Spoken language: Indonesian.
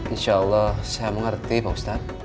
insyaallah saya mengerti pak ustaz